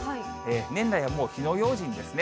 年内はもう火の用心ですね。